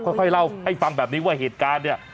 ค่อยเล่าให้ฟังแบบนี้ว่าเหตุการณ์เนี่ย